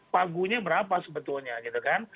pagunya berapa sebetulnya gitu kan